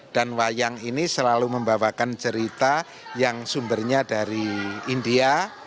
dan wayang ini selalu membawakan cerita yang sumbernya dari india